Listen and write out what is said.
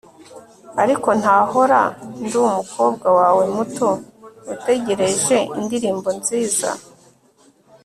ariko nzahora ndi umukobwa wawe muto utegereje indirimbo nziza